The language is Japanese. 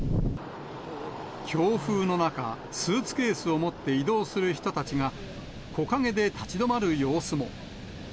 強風の中、スーツケースを持って移動する人たちが木陰で立ち止まる様子も。